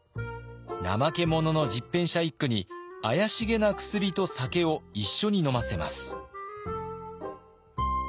怠け者の十返舎一九に怪しげな薬と酒を一緒に飲ませます。